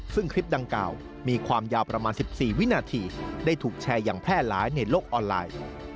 ซึ่งคลิปดังกล่าวมีความยาวประมาณ๑๔วินาทีได้ถูกแชร์อย่างแพร่หลายในโลกออนไลน์